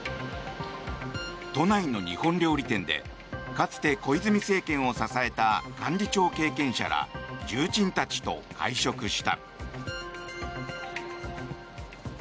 都内の日本料理店でかつて小泉政権を支えた幹事長経験者ら重鎮たちと会食した。